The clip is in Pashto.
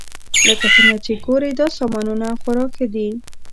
لکه څنګه چې ګورئ دا سامانونه خورا ښه دي